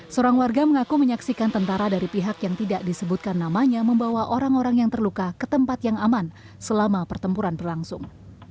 seorang warga mengaku menyaksikan tentara dari pihak yang tidak disebutkan namanya membawa orang orang yang terluka ke tempat yang aman selama pertempuran berlangsung